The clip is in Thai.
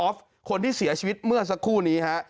คนที่เสียชีวิตเมื่อสักครู่นี้ฮะ